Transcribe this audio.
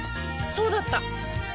そうだった！